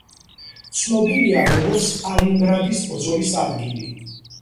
ცნობილია, როგორც სტალინგრადის ბრძოლის ადგილი.